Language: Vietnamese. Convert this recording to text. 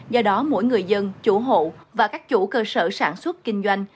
do đó mỗi người dân chủ hộ và các chủ cơ sở sản xuất kinh doanh